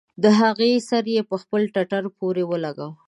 د هغې سر يې پر خپل ټټر پورې ولګاوه.